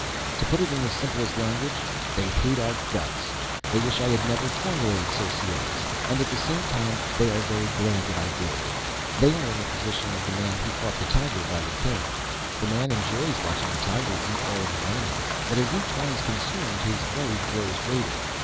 "To put it in the simplest language, they hate our guts. They wish I had never formulated Societics, and at the same time they are very glad I did. They are in the position of the man who caught the tiger by the tail. The man enjoys watching the tiger eat all of his enemies, but as each one is consumed his worry grows greater.